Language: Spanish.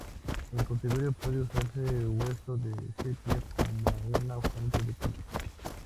En cautiverio puede usarse hueso de sepia como una fuente de calcio.